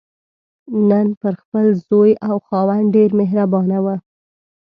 نن پر خپل زوی او خاوند ډېره مهربانه وه.